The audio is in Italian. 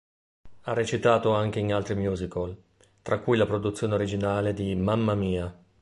Ha recitato anche in altri musical, tra cui la produzione originale di "Mamma Mia!